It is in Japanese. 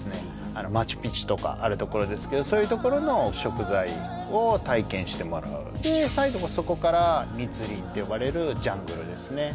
あのマチュ・ピチュとかあるところですけどそういうところの食材を体験してもらうで最後そこから密林って呼ばれるジャングルですね